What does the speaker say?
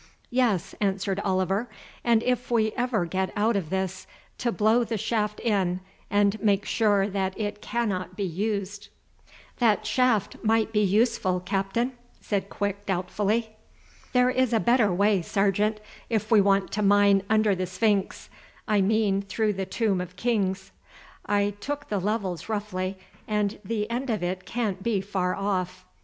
"Yes," answered Oliver, "and if we ever get out of this, to blow the shaft in and make sure that it cannot be used." "That shaft might be useful, Captain," said Quick doubtfully. "There is a better way, Sergeant, if we want to mine under the sphinx; I mean through the Tomb of Kings. I took the levels roughly, and the end of it can't be far off.